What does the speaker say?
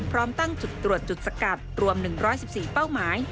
พร้อมตั้งจุดตรวจจุดสกัดรวม๑๑๔เป้าหมาย